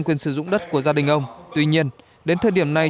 không biết là do nguyên nhân gì mà không được cấp